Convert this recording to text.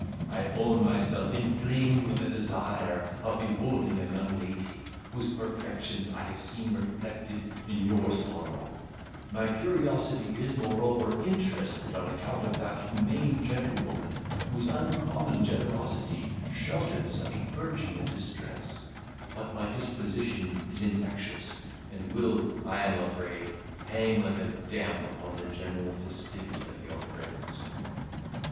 I own myself inflamed with a desire of beholding a young lady, whose perfections I have seen reflected in your sorrow; my curiosity is, moreover, interested on account of that humane gentlewoman, whose uncommon generosity sheltered such virtue in distress; but my disposition is infectious, and will, I am afraid, hang like a damp upon the general festivity of your friends."